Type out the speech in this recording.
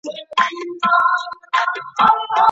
د لاس لیکنه د انسان د ارادې او تصمیم نښه ده.